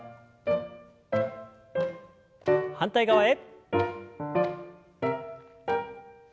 反対側へ。